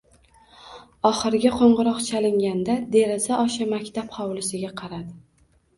Oxirgi qo`ng`iroq chalinganda deraza osha maktab hovlisiga qaradi